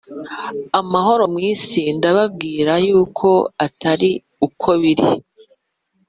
Amahoro mu isi ndababwira yuko atari ko biri